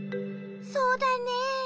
そうだね。